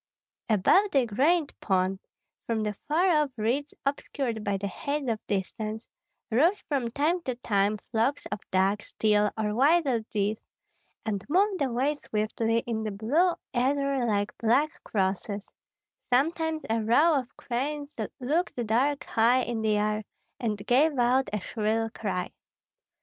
Above the great pond, from the far off reeds obscured by the haze of distance, rose from time to time flocks of ducks, teal, or wild geese, and moved away swiftly in the blue ether like black crosses; sometimes a row of cranes looked dark high in the air, and gave out a shrill cry.